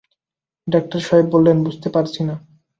Doctor সাহেব বললেন, বুঝতে পারছি না।